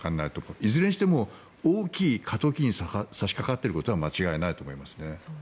いずれにしても大きい過渡期に差しかかってることは間違いないと思いますね。